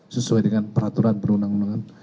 sesuai dengan peraturan perundangan